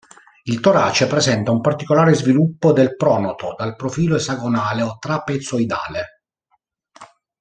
Il torace presenta un particolare sviluppo del pronoto, dal profilo esagonale o trapezoidale.